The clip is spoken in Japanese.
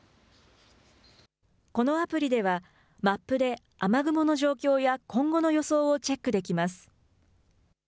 このアプリではマップで雨雲の状況や今後の予想をチェックできます。